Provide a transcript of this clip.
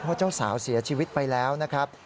เพราะเจ้าสาวเสียชีวิตไปแล้วนะครับ